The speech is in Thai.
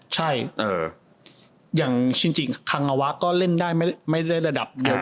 ใช่อย่างจริงคังอาวะก็เล่นได้ไม่ได้ระดับเดียว